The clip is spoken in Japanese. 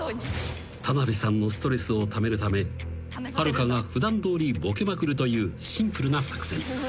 ［田辺さんのストレスをためるためはるかが普段どおりボケまくるというシンプルな作戦］